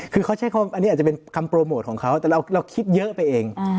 คือเขาใช้คำอันนี้อาจจะเป็นคำโปรโมทของเขาแต่เราคิดเยอะไปเอง